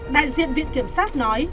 đại diện viện kiểm sát nói